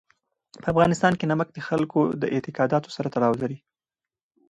په افغانستان کې نمک د خلکو د اعتقاداتو سره تړاو لري.